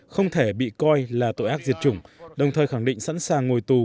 không thể bị coi là tội ác diệt chủng đồng thời khẳng định sẵn sàng ngồi tù